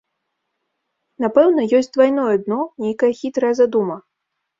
Напэўна, ёсць двайное дно, нейкая хітрая задума.